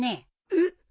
えっ？